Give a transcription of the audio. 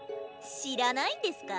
知らないんですか？